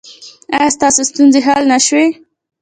ایا ستاسو ستونزې حل نه شوې؟